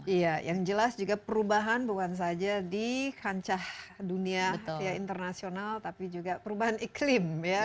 iya yang jelas juga perubahan bukan saja di kancah dunia internasional tapi juga perubahan iklim ya